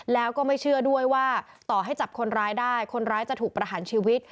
แล้วก็ไม่เชื่อด้วยว่าต่อให้จับคนร้ายได้คนร้ายจะถูกประหารชีวิต